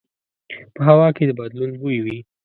په هوا کې د بدلون بوی وي